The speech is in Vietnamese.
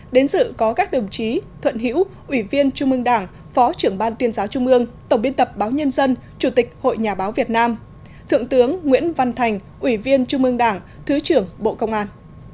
đến dự có các đồng chí thuận hữu ủy viên trung ương đảng phó trưởng ban tuyên giáo trung mương tổng biên tập báo nhân dân chủ tịch hội nhà báo việt nam thượng tướng nguyễn văn thành ủy viên trung ương đảng thứ trưởng bộ công an